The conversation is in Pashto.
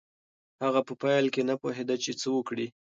هغه په پیل کې نه پوهېده چې څه وکړي.